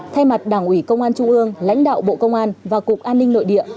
thay mặt đảng ủy công an trung ương lãnh đạo bộ công an và cục an ninh nội địa